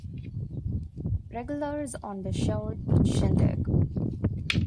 Regulars on the show Shindig!